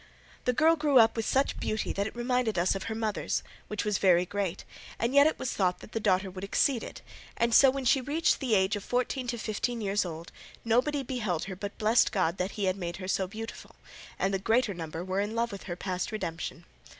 The girl grew up with such beauty that it reminded us of her mother's, which was very great, and yet it was thought that the daughter's would exceed it; and so when she reached the age of fourteen to fifteen years nobody beheld her but blessed God that had made her so beautiful, and the greater number were in love with her past redemption.